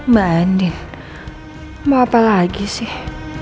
mbak andi mau apa lagi sih